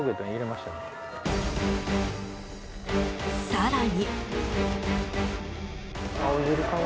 更に。